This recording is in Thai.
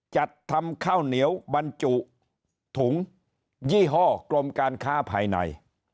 จัดทำข้าวเหนียวบรรจุถุงยี่ห้อกรมการค้าภายใน